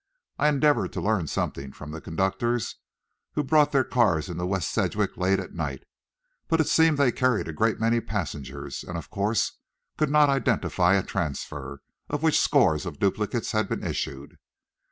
I endeavored to learn something from certain conductors who brought their cars into West Sedgwick late at night, but it seemed they carried a great many passengers and of course could not identify a transfer, of which scores of duplicates had been issued.